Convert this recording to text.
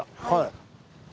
はい。